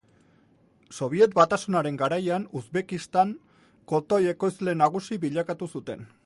Sobiet Batasunaren garaian Uzbekistan kotoi-ekoizle nagusi bilakatu zuten.